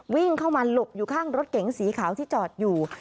วิ่งเข้ามาหลบอยู่ข้างรถเก๋งสีขาวที่จอดอยู่